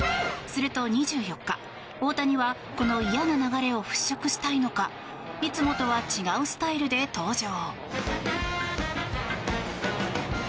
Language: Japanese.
すると２４日大谷は、この嫌な流れを払拭したいのかいつもとは違うスタイルで登場。